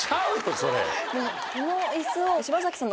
この椅子を。